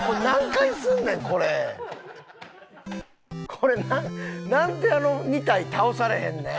これなんであの２体倒されへんねん！